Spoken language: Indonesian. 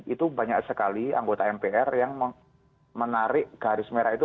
itu banyak sekali anggota mpr yang menarik garis merah itu